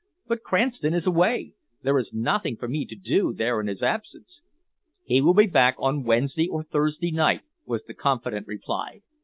But Cranston is away. There is nothing for me to do there in his absence." "He will be back on Wednesday or Thursday night," was the confident reply.